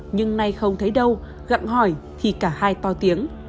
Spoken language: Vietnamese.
nhưng nay không thấy đâu gặng hỏi thì cả hai to tiếng